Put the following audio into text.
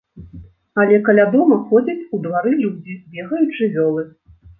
Але каля дома ходзяць у двары людзі, бегаюць жывёлы.